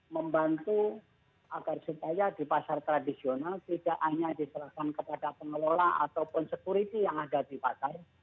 membantu agar supaya di pasar tradisional tidak hanya diserahkan kepada pengelola ataupun security yang ada di pasar